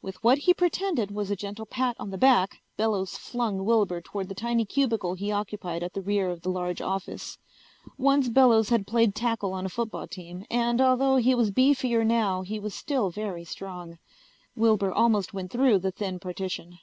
With what he pretended was a gentle pat on the back Bellows flung Wilbur toward the tiny cubicle he occupied at the rear of the large office. Once Bellows had played tackle on a football team and although he was beefier now he was still very strong. Wilbur almost went through the thin partition.